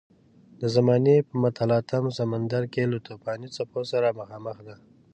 د زمانې په متلاطم سمندر کې له توپاني څپو سره مخامخ ده.